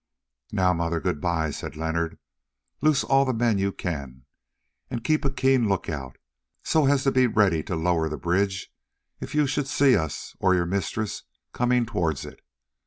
"Now, mother, good bye," said Leonard. "Loose all the men you can, and keep a keen look out, so as to be ready to lower the bridge if you should see us or your mistress coming towards it.